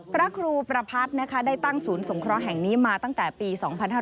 พระครูประพัทธ์ได้ตั้งศูนย์สงครอแห่งนี้มาตั้งแต่ปี๒๕๓๖